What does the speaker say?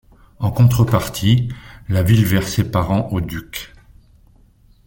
En contrepartie, la ville versait par an au duc.